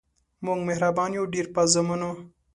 مونږ مهربان یو ډیر په زامنو